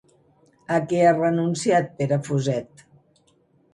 A què ha renunciat Pere Fuset?